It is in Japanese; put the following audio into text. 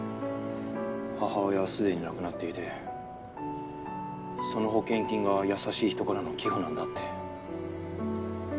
母親はすでに亡くなっていてその保険金が「優しい人からの寄付」なんだって。